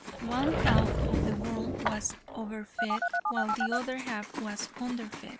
One half of the world was over fed while the other half was under fed.